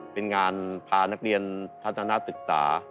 เป็นงานพานักเรียนพัฒนาศึกษา